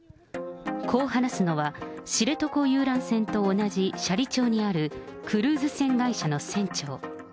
こう話すのは、知床遊覧船と同じ斜里町にあるクルーズ船会社の船長。